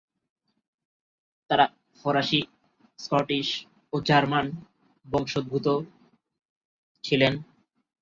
তারা ফরাসি, স্কটিশ ও জার্মান বংশোদ্ভূত ছিলেন।